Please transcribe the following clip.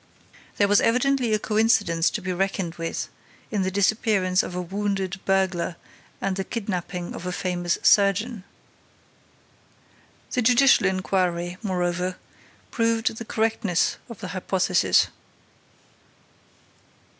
There was evidently a coincidence to be reckoned with in the disappearance of a wounded burglar and the kidnapping of a famous surgeon. The judicial inquiry, moreover, proved the correctness of the hypothesis.